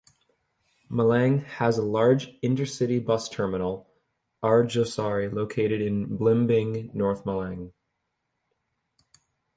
Malang has a large intercity bus terminal, Arjosari, located in Blimbing, North Malang.